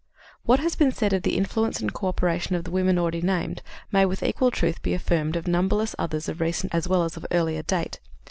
" What has been said of the influence and coöperation of the women already named may, with equal truth, be affirmed of numberless others of recent as well as of earlier date.